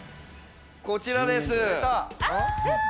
こちらです。